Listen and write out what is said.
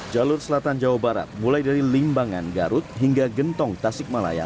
jalur selatan jawa barat mulai dari limbangan garut hingga gentong tasik malaya